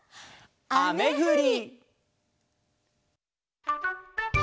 「あめふり」。